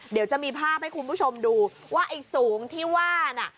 เดี๋ยวจะมีภาพให้คุณผู้ชมดูว่าไอ้สูงที่ว่าน่ะ